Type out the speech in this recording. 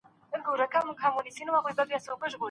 که ګونګی سړی ږیره ونه لري، ډېري مڼې نه خوري.